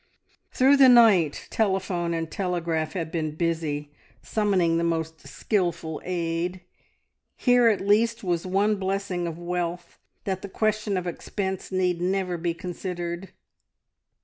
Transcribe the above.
Through the night telephone and telegraph had been busy summoning the most skilful aid. Here at least was one blessing of wealth that the question of expense need never be considered.